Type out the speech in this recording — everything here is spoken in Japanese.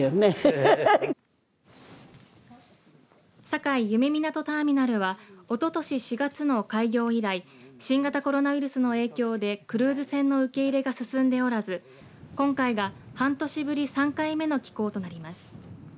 境夢みなとターミナルはおととし４月の開業以来、新型コロナウイルスの影響でクルーズ船の受け入れが進んでおらず今回が半年ぶり３回目の寄港となります。